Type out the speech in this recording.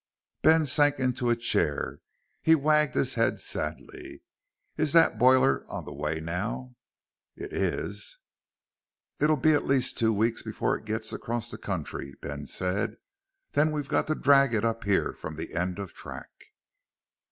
Ben sank into a chair. He wagged his head sadly. "Is that boiler on the way now?" "It is." "It'll be at least two weeks before it gets across the country," Ben said. "Then we've got to drag it up here from the end of track."